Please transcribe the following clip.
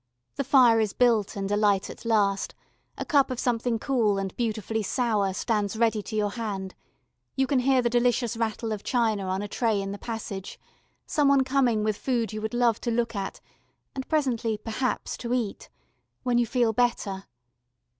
The fire is built and alight at last, a cup of something cool and beautifully sour stands ready to your hand, you can hear the delicious rattle of china on a tray in the passage someone coming with food you would love to look at, and presently perhaps to eat ... when you feel better.